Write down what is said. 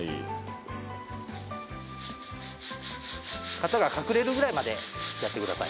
型が隠れるぐらいまでやってください。